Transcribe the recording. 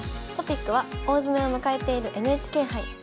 トピックは大詰めを迎えているＮＨＫ杯。